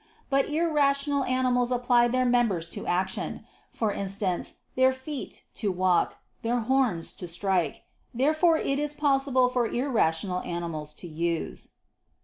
But irrational animals apply their members to action; for instance, their feet, to walk; their horns, to strike. Therefore it is possible for irrational animals to use.